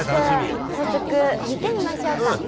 じゃ早速見てみましょうか。